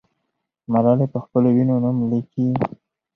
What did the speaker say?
ملالۍ پخپلو وینو نوم لیکي.